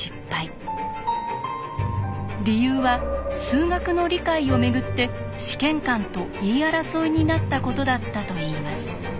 理由は数学の理解をめぐって試験官と言い争いになったことだったといいます。